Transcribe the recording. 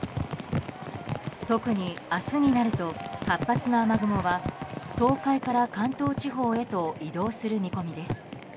特に明日になると活発な雨雲は東海から関東地方へと移動する見込みです。